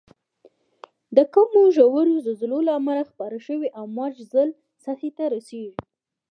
د کمو ژورو زلزلو له امله خپاره شوی امواج زر سطحې ته رسیږي.